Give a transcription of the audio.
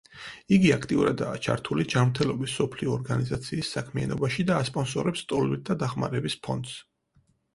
იგი აქტიურადაა ჩართული ჯანმრთელობის მსოფლიო ორგანიზაციის საქმიანობაში და ასპონსორებს ლტოლვილთა დახმარების ფონდს.